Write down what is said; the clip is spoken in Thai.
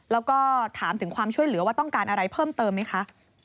แล้วก็ถามถึงความช่วยเหลือว่าต้องการอะไรเพิ่มเติมไหมคะ